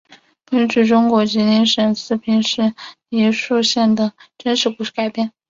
根据中国吉林省四平市梨树县的真实故事改编。